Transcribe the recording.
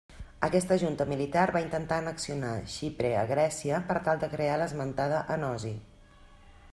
Aquesta junta militar va intentar annexionar Xipre a Grècia per tal de crear l'esmentada enosis.